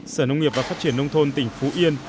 sở nông nghiệp và phát triển nông thôn tỉnh phú yên